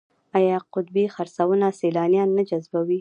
آیا قطبي خرسونه سیلانیان نه جذبوي؟